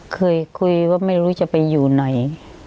เคยคุยว่าไม่รู้จะไปอยู่ไหน